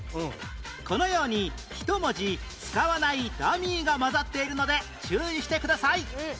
このように１文字使わないダミーが交ざっているので注意してください。